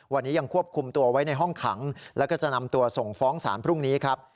วันนี้ยังควบคุมตัวไว้ในห้องขังแล้วก็จะนำตัวส่งฟ้องสารพรุ่งนี้ครับ